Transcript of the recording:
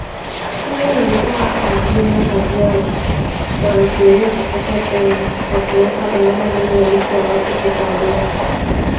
huyu alikuwa ajina ojwang mwanasheria kutoka kenya akiweka bayana hali halisi ya watu kutambua